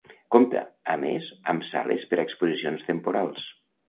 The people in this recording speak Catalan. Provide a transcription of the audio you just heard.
Compta, a més, amb sales per a exposicions temporals.